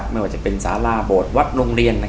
ไม่ว่าจะเป็นสาราโบสถวัดโรงเรียน